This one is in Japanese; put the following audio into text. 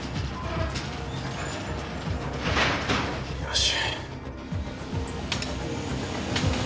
よし。